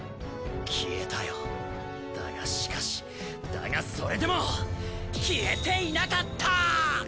消えたよだがしかしだがそれでも消えていなかった！